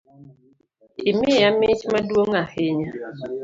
Imiya mich maduong’ ahinya